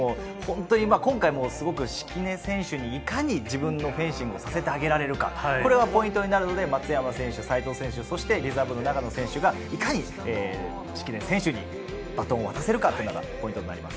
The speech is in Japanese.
今回も敷根選手にいかに自分のフェンシングをさせてあげられるか、これがポイントになるので、松山選手、西藤選手、リザーブの永野選手がいかに敷根選手にバトンを渡せるかがポイントになります。